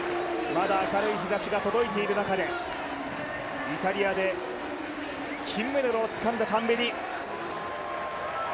まだ明るい日ざしが届いている中でイタリアで金メダルをつかんだタンベリ。